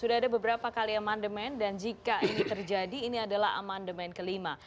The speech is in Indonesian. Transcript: sudah ada beberapa kali amandemen dan jika ini terjadi ini adalah amandemen kelima